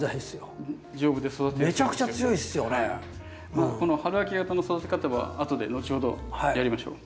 まあこの春秋型の育て方は後で後ほどやりましょう。